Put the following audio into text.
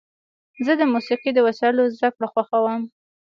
زه د موسیقۍ د وسایلو زدهکړه خوښوم.